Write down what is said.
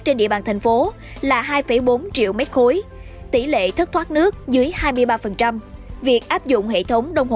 trên địa bàn thành phố là hai bốn triệu m ba tỷ lệ thất thoát nước dưới hai mươi ba việc áp dụng hệ thống đông